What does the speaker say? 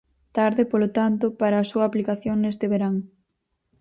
Tarde polo tanto para a súa aplicación neste verán.